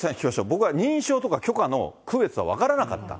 僕は、認証とか許可の区別は分からなかった。